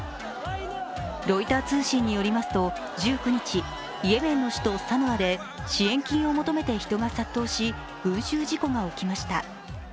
ロイター通信によりますと、１９日、イエメンの首都サヌアで、支援金を求めて人が殺到し群集事故が起きました。